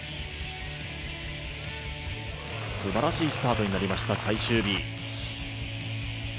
すばらしいスタートになりました最終日。